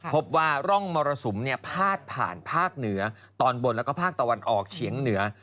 พบว่าร่องมรสุมพาดผ่านภาคเหนือตอนบนแล้วก็ภาคตะวันออกเฉียงเหนือ